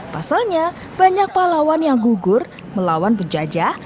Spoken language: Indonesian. pasalnya banyak pahlawan yang gugur melawan penjajah